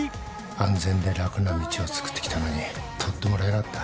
安全で楽な道を作ってきたのに通ってもらえなかった。